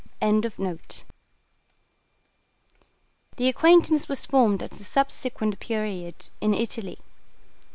] The acquaintance was formed at a subsequent period, in Italy.